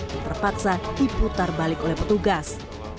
yang terpaksa diputar balik oleh petugas